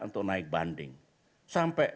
untuk naik banding sampai